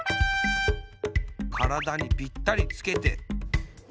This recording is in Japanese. からだにぴったりつけて。